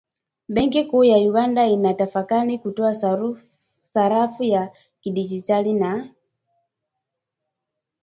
Benki kuu ya Uganda inatafakari kutoa sarafu ya kidigitali na